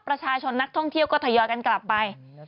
ประชาชนนักท่องเที่ยวก็ทยอยกันกลับไป